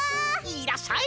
いらっしゃい！